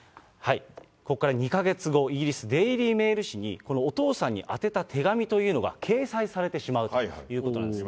ここから２か月後、イギリス、デイリー・メール紙に、このお父さんに宛てた手紙というのが掲載されてしまうということなんですね。